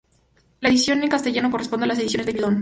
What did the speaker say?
La edición en castellano corresponde a Ediciones Babylon.